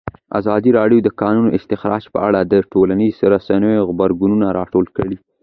ازادي راډیو د د کانونو استخراج په اړه د ټولنیزو رسنیو غبرګونونه راټول کړي.